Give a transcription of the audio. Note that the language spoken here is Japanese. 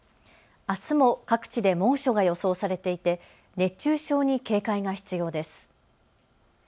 あすも各地で猛暑が予想されていて熱中症に警戒が必要です。